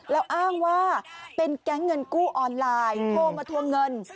แล้วอ้างว่าเป็นแก๊งเงินกู้ออนไลน์โทรมาทวงเงิน